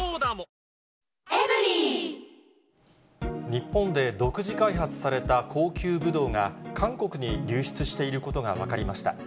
日本で独自開発された高級ぶどうが、韓国に流出していることが分かりました。